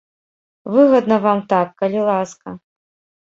Выгадна вам так, калі ласка.